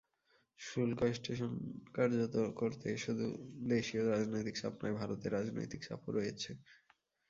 শুল্ক স্টেশন কার্যকর করতে শুধু দেশীয় রাজনৈতিক চাপ নয়, ভারতের রাজনৈতিক চাপও রয়েছে।